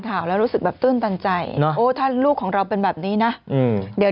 ข่าวแล้วรู้สึกแบบตื้นตันใจโอ้ถ้าลูกของเราเป็นแบบนี้นะเดี๋ยว